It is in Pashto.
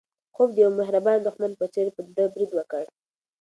خوب د یو مهربانه دښمن په څېر په ده برید وکړ.